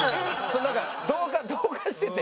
なんか同化してて。